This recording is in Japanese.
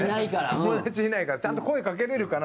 友達いないからちゃんと声かけれるかな？